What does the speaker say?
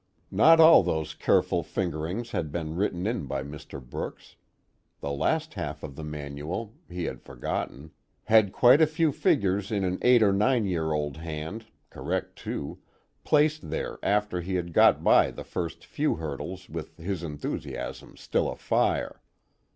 Not all those careful fingerings had been written in by Mr. Brooks. The last half of the manual (he had forgotten) had quite a few figures in an eight or nine year old hand (correct too!) placed there after he had got by the first few hurdles with his enthusiasm still afire.